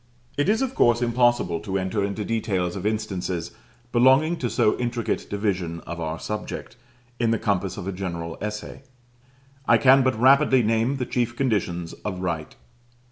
It is of course impossible to enter into details of instances belonging to so intricate division of our subject, in the compass of a general essay. I can but rapidly name the chief conditions of right.